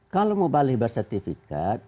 kalau mubalik bersertifikat